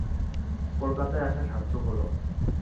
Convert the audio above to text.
কলকাতায় আসা সার্থক হল।